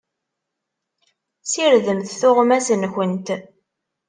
Sirdemt tuɣmas-nkent!